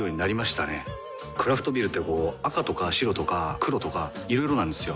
クラフトビールってこう赤とか白とか黒とかいろいろなんですよ。